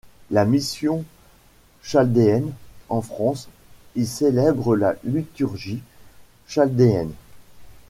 La Mission chaldéenne en France y célèbre la liturgie chaldéenne.